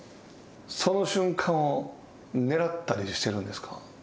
その瞬間をねらったりしてるんですか。